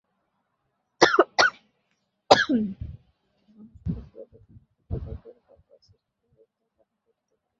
মহাসাগরের বুকে কোথাও না কোথাও গভীর গহ্বর সৃষ্টি করিয়াই উত্তাল তরঙ্গ উঠিতে পারে।